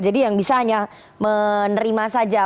jadi yang bisa hanya menerima saja